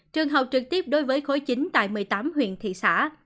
trường học trực tiếp đối với khối chín tại một mươi tám huyện thị xã